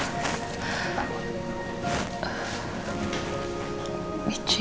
terima kasih mas